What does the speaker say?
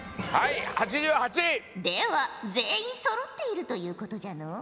では全員そろっているということじゃのう。